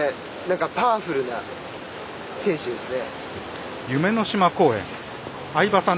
パワフルな選手ですね。